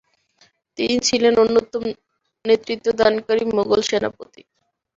তিনি ছিলেন অন্যতম নেতৃত্বদানকারী মুঘল সেনাপতি।